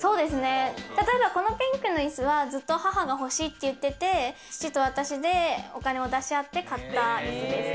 このピンクの椅子は、ずっと母が欲しいって言ってて、父と私でお金を出し合って買った椅子です。